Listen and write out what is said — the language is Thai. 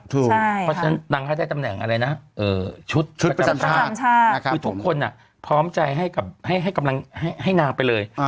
เพราะฉะนั้นนางให้ได้ตำแหน่งอะไรนะชุดประจำการคือทุกคนพร้อมใจให้กำลังให้นางไปเลย